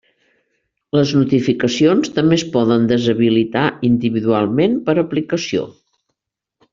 Les notificacions també es poden deshabilitar individualment per aplicació.